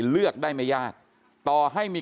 เลือกได้ไม่ยากต่อให้มี